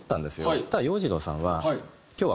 そしたら洋次郎さんは。